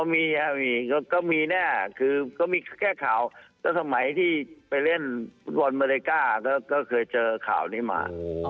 อ๋อมีเอะมีก็มีแน่แค่ใช้ข่าวสมัยไปเล่นอันบาล๑๒๐๐ก็เคยเจอข่าวนี้มา